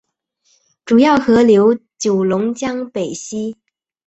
主要河流九龙江北溪。